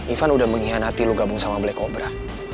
ivan udah mengkhianati lo gabung sama black cobra